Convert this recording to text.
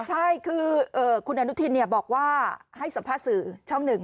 ใช่คือคุณอนุทินบอกว่าให้สัมภาษณ์สื่อช่องหนึ่ง